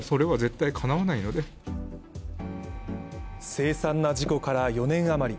凄惨な事故から４年余り。